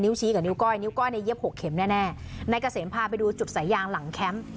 ชี้กับนิ้ก้อยนิ้ก้อยเนี่ยเย็บหกเข็มแน่แน่นายเกษมพาไปดูจุดสายยางหลังแคมป์